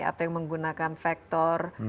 atau yang menggunakan vector